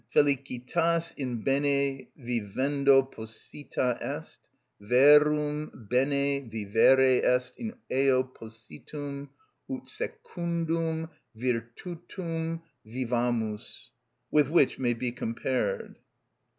(Felicitas in bene vivendo posita est: verum bene vivere est in eo positum, ut secundum virtutem vivamus), with which may be compared "_Eth.